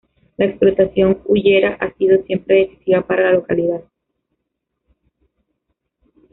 La explotación hullera ha sido siempre decisiva para localidad.